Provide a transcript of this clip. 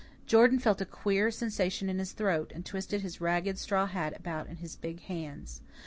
Jordan felt a queer sensation in his throat, and twisted his ragged straw hat about in his big hands.